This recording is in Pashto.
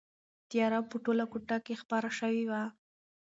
تیاره په ټوله کوټه کې خپره شوې وه.